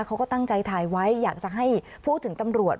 เขาก็ตั้งใจถ่ายไว้อยากจะให้พูดถึงตำรวจ